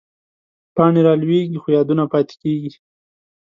پاڼې رالوېږي، خو یادونه پاتې کېږي